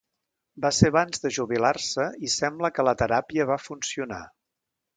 Va ser abans de jubilar-se i sembla que la teràpia va funcionar.